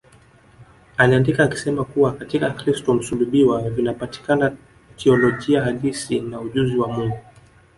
Aliandika akisema kuwa Katika Kristo msulubiwa vinapatikana teolojia halisi na ujuzi wa Mungu